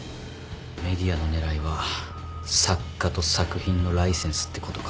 ＭＥＤＩＡの狙いは作家と作品のライセンスってことか。